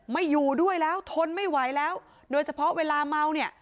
ไม่อยู่ด้วยแล้วทนไม่ไหวแล้วโดยเฉพาะเวลาเมาเนี่ย